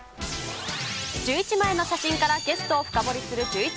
１１枚の写真からゲストを深掘りするジューイチ。